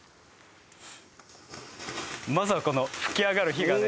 まずはこの噴き上がる火がね